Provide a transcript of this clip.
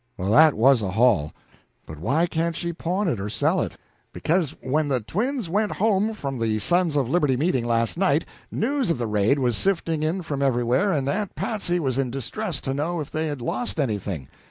"Well, that was a haul! But why can't she pawn it or sell it?" "Because when the twins went home from the Sons of Liberty meeting last night, news of the raid was sifting in from everywhere, and Aunt Patsy was in distress to know if they had lost anything.